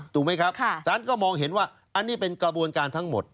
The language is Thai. ถูกไหมครับสารก็มองเห็นว่าอันนี้เป็นกระบวนการทั้งหมด